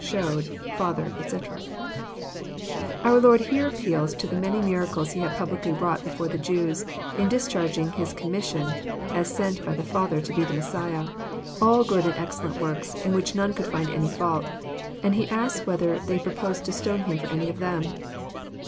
shewed,. .Father, etc."] Our Lord here appeals to the many miracles He had publicly wrought before the Jews, in discharging His commission as sent by the Father to be the Messiah, all good and excelWut works, ic which none could find any fault, and Jle asks whether they proposed to stone Him for any of them.